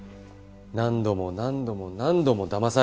何度も何度も何度も騙されて。